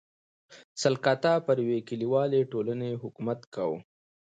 سلکتا پر یوې کلیوالې ټولنې حکومت کاوه.